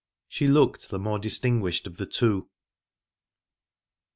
She looked the more distinguished of the two.